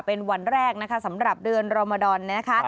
เป็นวันแรกนะคะสำหรับเดือนรมดอนนะคะ